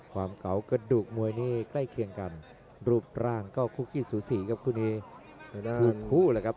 ความเกาะกระดูกมวยเนใกล้เคียงกันรูปร่างก็คู่คิดสูสีครับคุณเน